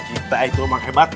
kita itu memang hebat